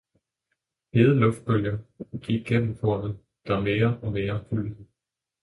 hede luftbølger gik gennem kornet, der mere og mere gulnede.